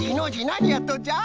なにやっとんじゃ？